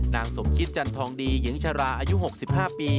นางสมคิดจันทองดีหญิงชราอายุ๖๕ปี